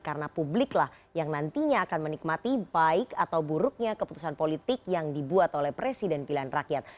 karena publiklah yang nantinya akan menikmati baik atau buruknya keputusan politik yang dibuat oleh presiden pilihan rakyat